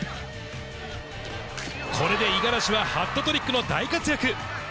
これで五十嵐はハットトリックの大活躍。